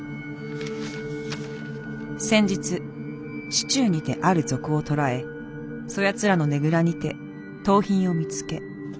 「先日市中にてある賊を捕らえそやつらのねぐらにて盗品を見つけあらためました。